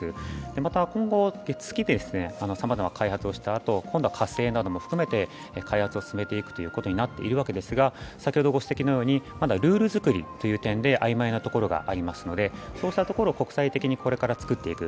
また今後、月でさまざまな開発をしたあと今度は火星なども含めて開発を進めていくことになっているわけですがまだルール作りという点であいまいなところがありますのでそうしたところを国際的にこれから作っていく。